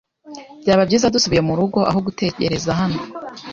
Byaba byiza dusubiye murugo aho gutegereza hano.